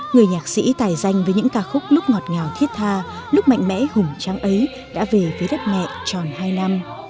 người nhạc sĩ tài danh với những ca khúc lúc ngọt ngào thiết tha lúc mạnh mẽ hùng trang ấy đã về với đất mẹ tròn hai năm